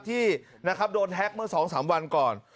ที่นะครับโดนแฮ็กเมื่อ๒๓วันก่อน